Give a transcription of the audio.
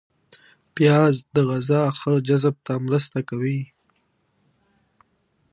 پیاز د غذا ښه جذب ته مرسته کوي